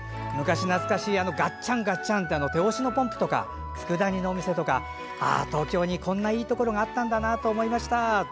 昔懐かしいガッチャンガッチャンって手押しのポンプとかつくだ煮のお店とか東京に、こんないいところがあったんだなと思いました。